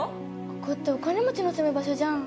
ここってお金持ちの住む場所じゃん。